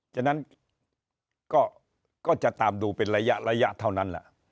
ฉะนั้นก็จะตามดูเป็นระยะเท่านั้นแหละ